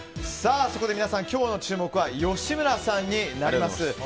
そこで皆さん、今日の注目は吉村さんになります。